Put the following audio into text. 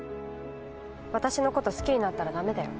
私の事好きになったら駄目だよ。